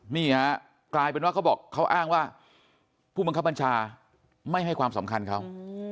นี่ฮะกลายเป็นว่าเขาบอกเขาอ้างว่าผู้บังคับบัญชาไม่ให้ความสำคัญเขา